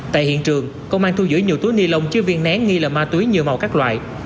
tại hiện trường công an thu giữ nhiều túi ni lông chứa viên nén nghi là ma túy nhiều màu các loại